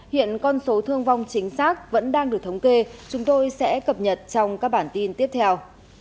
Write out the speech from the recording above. hiện con số thương vong chính xác vẫn đang được thống kê chúng tôi sẽ cập nhật trong các bản tin tiếp theo